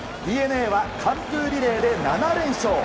ＤｅＮＡは完封リレーで７連勝。